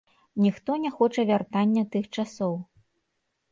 Ніхто не хоча вяртання тых часоў.